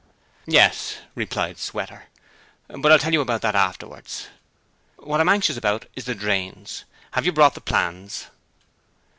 'Yes,' replied Sweater; 'but I'll tell you about that afterwards. What I'm anxious about is the drains. Have you brought the plans?'